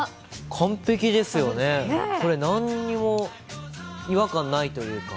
完璧ですよね、何にも違和感ないというか。